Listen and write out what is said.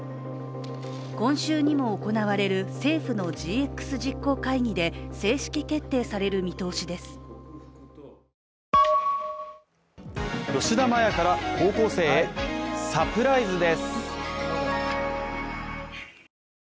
今週にも行われる政府のＧＸ実行会議で正式決定される見通しです。